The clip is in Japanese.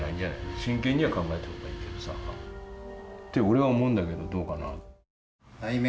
真剣には考えた方がいいけどさって俺は思うんだけどどうかな？